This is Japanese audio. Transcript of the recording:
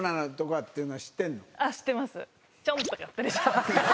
知ってます。